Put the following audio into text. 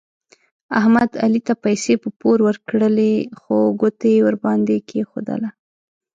احمد علي ته پیسې په پور ورکړلې خو ګوته یې ور باندې کېښودله.